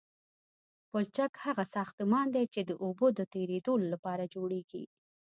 پلچک هغه ساختمان دی چې د اوبو د تیرېدو لپاره جوړیږي